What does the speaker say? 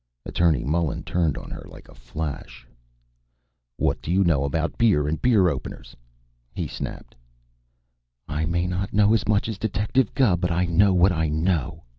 Attorney Mullen turned on her like a flash. "What do you know about beer and beer openers?" he snapped. "I may not know as much as Detective Gubb, but I know what I know!"